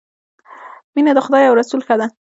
مینه د خدای او رسول ښه ده